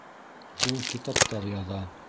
Ул китаптар яҙа